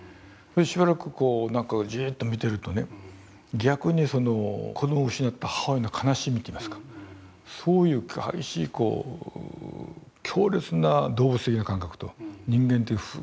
しばらくこうじっと見てると逆に子どもを失った母親の悲しみっていいますかそういう激しい強烈な動物的な感覚と人間的深い愛ですね